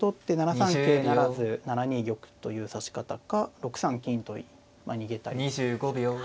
三桂不成７二玉という指し方か６三金と逃げたりですとか。